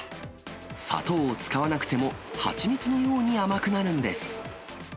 砂糖を使わなくても、蜂蜜のように甘くなるんです。